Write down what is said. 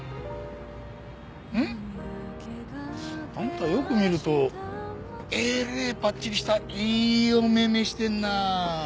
んっ？あんたよく見るとえれえぱっちりしたいいお目目してんな。